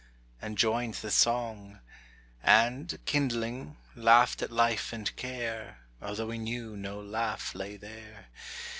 —and joined the song; And, kindling, laughed at life and care, Although we knew no laugh lay there.